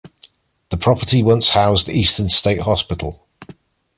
The property once housed Eastern State Hospital.